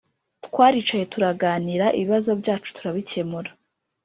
Twaricaye turaganira ibibazo byacu turabikemura